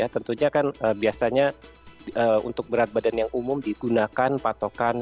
tentunya kan biasanya untuk berat badan yang umum digunakan patokan